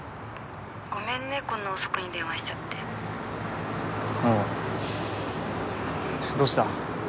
ごめんねこんな遅くに電話しちゃっておうどうした？